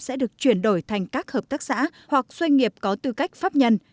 sẽ được chuyển đổi thành các hợp tác xã hoặc doanh nghiệp có tư cách pháp nhân